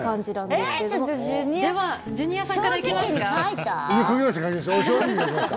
ではジュニアさんからいきますか？